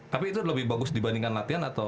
tapi itu lebih bagus dibandingkan latihan atau